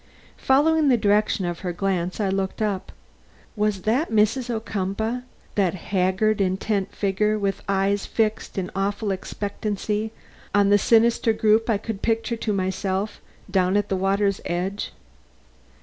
Following the direction of her glance, I looked up. Was that Mrs. Ocumpaugh that haggard, intent figure with eyes fixed in awful expectancy on the sinister group I could picture to myself down at the water's edge?